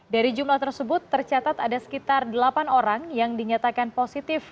dari jumlah tersebut tercatat ada sekitar delapan orang yang dinyatakan positif